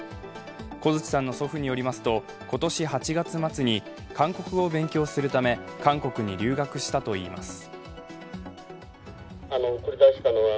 小槌さんの祖父によりますと今年８月末に韓国語を勉強するため韓国に留学したといいます。